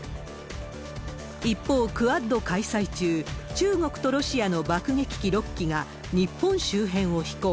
一方、クアッド開催中、中国とロシアの爆撃機６機が日本周辺を飛行。